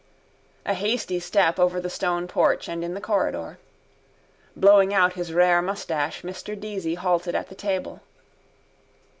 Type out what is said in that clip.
A hasty step over the stone porch and in the corridor. Blowing out his rare moustache Mr Deasy halted at the table.